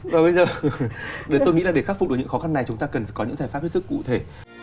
và bây giờ tôi nghĩ là để khắc phục được những khó khăn này chúng ta cần phải có những giải pháp hết sức cụ thể